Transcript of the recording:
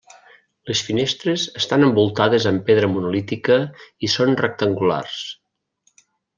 Les finestres estan envoltades amb pedra monolítica i són rectangulars.